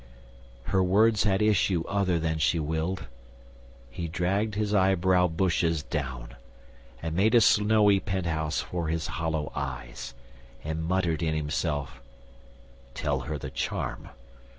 Her words had issue other than she willed. He dragged his eyebrow bushes down, and made A snowy penthouse for his hollow eyes, And muttered in himself, "Tell her the charm!